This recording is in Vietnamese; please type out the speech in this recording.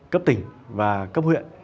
cấp tỉnh và cấp huyện